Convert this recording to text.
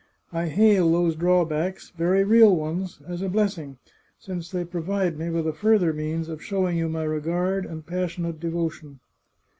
I hail these draw backs— very real ones — as a blessing, since they provide me with a further means of showing you my regard and pas sionate devotion."